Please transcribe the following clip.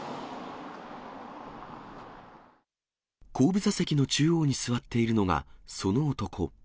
後部座席の中央に座っているのが、その男。